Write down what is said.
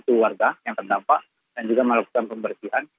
keluarga yang terdampak dan juga melakukan pembersihan